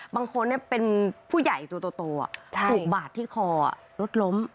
บางคนเนี่ยเป็นผู้ใหญ่ตัวตกบาดที่คอลดล้ม